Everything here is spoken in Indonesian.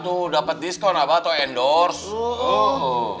tuh dapat diskon apa atau endorse